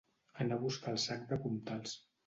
Anar a buscar el sac de puntals.